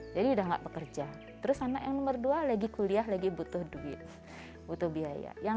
jadi udah nggak bekerja terus anak yang nomor dua lagi kuliah lagi butuh duit butuh biaya yang